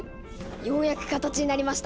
ようやく形になりました！